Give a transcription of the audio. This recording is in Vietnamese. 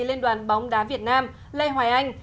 liên đoàn bóng đá việt nam lê hoài anh